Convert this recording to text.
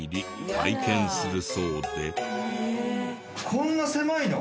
こんな狭いの？